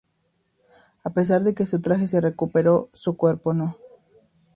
A pesar de que su traje se recuperó, su cuerpo no.